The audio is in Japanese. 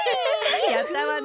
やったわね！